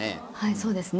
そうですね。